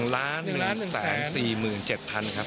๑๑๔๗๐๐๐บาทครับ